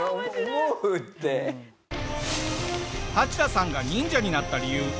ハチダさんが忍者になった理由